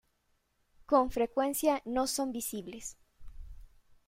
Con frecuencia no son visibles.